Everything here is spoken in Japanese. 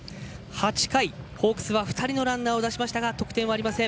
８回ホークスは２人のランナーを出しましたが得点はありません。